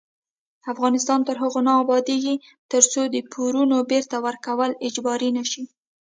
افغانستان تر هغو نه ابادیږي، ترڅو د پورونو بیرته ورکول اجباري نشي.